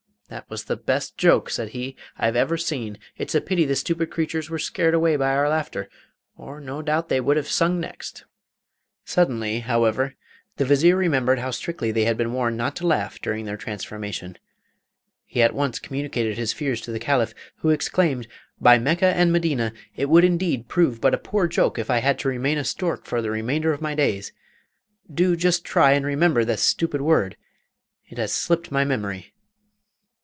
'That was the best joke,' said he, 'I've ever seen. It's a pity the stupid creatures were scared away by our laughter, or no doubt they would have sung next!' Suddenly, however, the Vizier remembered how strictly they had been warned not to laugh during their transformation. He at once communicated his fears to the Caliph, who exclaimed, 'By Mecca and Medina! it would indeed prove but a poor joke if I had to remain a stork for the remainder of my days! Do just try and remember the stupid word, it has slipped my memory.